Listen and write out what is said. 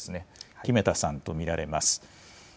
木目田さんと見られます。